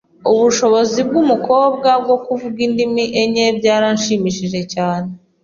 Ubushobozi bwumukobwa bwo kuvuga indimi enye byaranshimishije cyane.